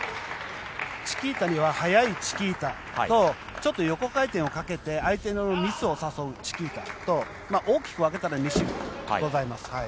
チキータには速いチキータとちょっと横回転をかけて相手のミスを誘うチキータと大きく分けたら２種類ございます。